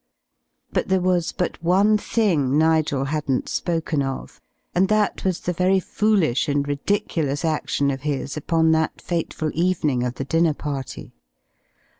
But there was but one thing Nigel hadn't spoken of, and that was the very foolish and ridiculous action of his upon that fateful evening of the dinner party.